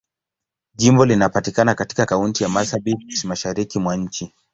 Jimbo linapatikana katika Kaunti ya Marsabit, Mashariki mwa nchi.